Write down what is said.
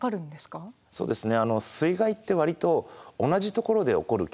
そうですね